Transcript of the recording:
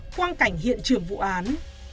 quang cảnh hiện trường vụ án